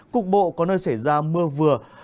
cục bộ có nơi xảy ra mưa vừa